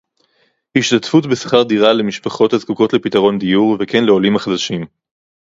השתתפות בשכר דירה למשפחות הזקוקות לפתרון דיור וכן לעולים החדשים